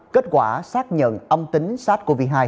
kết quả xác nhận âm tính sars cov hai